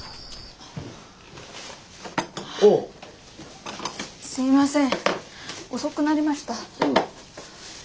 ああすいません。